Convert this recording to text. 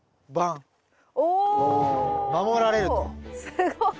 すごい。